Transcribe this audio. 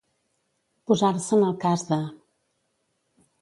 Posar-se en el cas de.